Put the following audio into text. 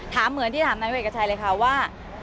ถามเหมือนที่ถามน้ำเวทย์กับชัยเลยค่ะว่า